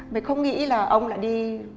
mình không nghĩ là ông lại đi